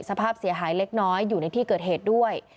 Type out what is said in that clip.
สภาพเสียหายเล็กน้อยอยู่ในที่เกิดเหตุด้วย